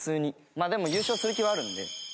まあでも優勝する気はあるんで。